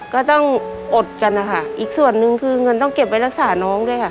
ก็ต้องอดกันนะคะอีกส่วนนึงคือเงินต้องเก็บไว้รักษาน้องด้วยค่ะ